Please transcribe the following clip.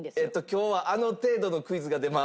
今日は「あの程度」のクイズが出ます。